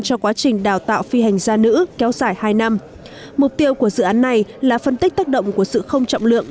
cho quá trình đào tạo phi hành gia nữ kéo dài hai năm mục tiêu của dự án này là phân tích tác động của sự không trọng lượng